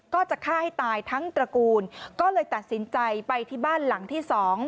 ก็จะฆ่าให้ตายทั้งตระกูลก็เลยตัดสินใจไปที่บ้านหลังที่๒